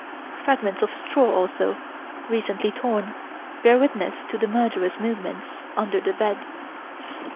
Fragments of straw also, recently torn, bear witness to the murderer's movements under the bed."